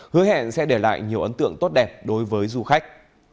hứa hẹn sẽ để lại nhiều ấn tượng tốt đẹp đối với du khách